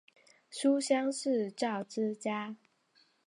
书香世胄之家。